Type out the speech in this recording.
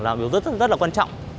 là một điều rất rất rất là quan trọng